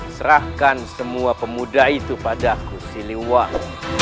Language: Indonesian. serahkan semua pemuda itu padaku siliwan